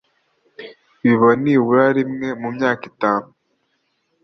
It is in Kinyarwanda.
biba nibura rimwe mu myaka itanu